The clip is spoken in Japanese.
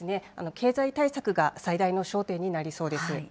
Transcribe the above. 経済対策が最大の焦点になりそうです。